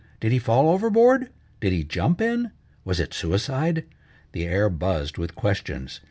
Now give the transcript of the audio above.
"Did he fall overboard!" "Did he jump in?" "Was it suicide?" The air buzzed with questions.